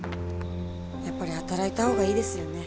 やっぱり働いた方がいいですよね。